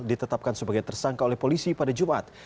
ditetapkan sebagai tersangka oleh polisi pada jumat